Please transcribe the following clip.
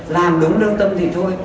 làm đúng lương tâm thì thôi